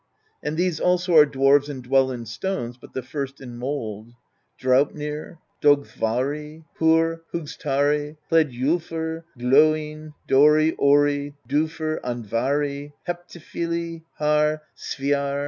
And these also are dwarves and dwell in stones, but the first in mould: Draupnir, Dolgthvari, Horr, Hugstari, Hledjolfr, Gloinn; Dori, Ori, Dufr, Andvari, Heptifili, Harr, Sviarr.